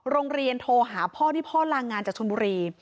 โรงเรียนโทรหาพ่อนี่พ่อลางงานจากชนบุรี